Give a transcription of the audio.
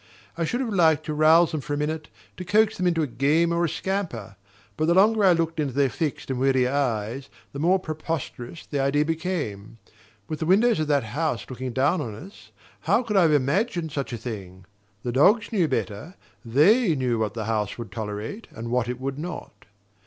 I should have liked to rouse them for a minute, to coax them into a game or a scamper; but the longer I looked into their fixed and weary eyes the more preposterous the idea became. With the windows of that house looking down on us, how could I have imagined such a thing? The dogs knew better: THEY knew what the house would tolerate and what it would not.